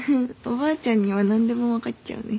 おばあちゃんには何でも分かっちゃうね。